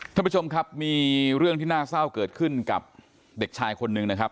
ท่านผู้ชมครับมีเรื่องที่น่าเศร้าเกิดขึ้นกับเด็กชายคนหนึ่งนะครับ